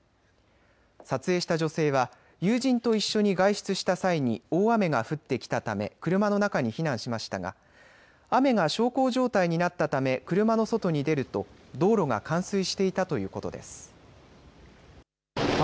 撮影した女性は友人と一緒に外出した際に大雨が降ってきたため車の中に避難しましたが雨が小康状態になったため車の外に出ると道路が冠水していたということです。